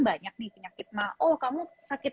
banyak nih penyakit mah oh kamu sakit